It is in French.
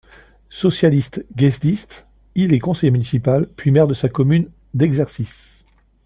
Socialiste guesdiste, il est conseiller municipal, puis maire de sa commune d'exercice.